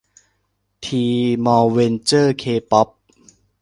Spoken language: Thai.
ทีมอเวนเจอร์เคป๊อป